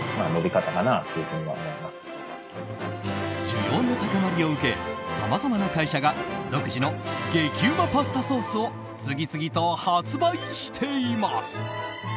需要の高まりを受けさまざまな会社が独自の激うまパスタソースを次々と発売しています。